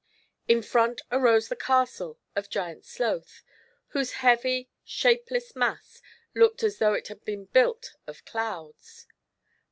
In front arose the castle of Giant Sloth, whose heavy, shape less mass looked as though it had been built of clouds.